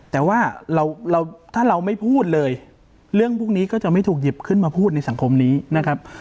แต่ว่าเราถ้าเราไม่พูดเลยเรื่องพวกนี้ก็จะไม่ถูกหยิบขึ้นมาพูดในสังคมนี้นะครับ